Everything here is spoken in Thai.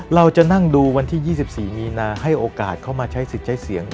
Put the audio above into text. เราจะนั่งดูวันที่๒๔มีนาให้โอกาสเข้ามาใช้สิทธิ์ใช้เสียง